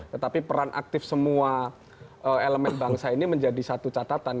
tetapi peran aktif semua elemen bangsa ini menjadi satu catatan